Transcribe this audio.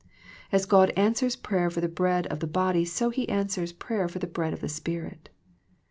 As God answers prayer for the bread of the body so He answers prayer for the bread of the spirit.